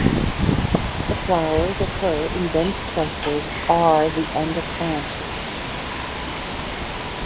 The flowers occur in dense clusters are the end of branches.